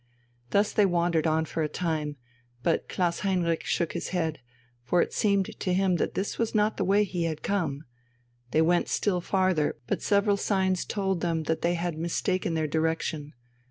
Thus they wandered on for a time; but Klaus Heinrich shook his head, for it seemed to him that this was not the way he had come. They went still farther; but several signs told them that they had mistaken their direction.